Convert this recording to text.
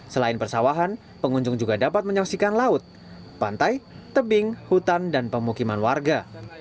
selain persawahan pengunjung juga dapat menyaksikan laut pantai tebing hutan dan pemukiman warga